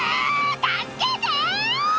助けて！」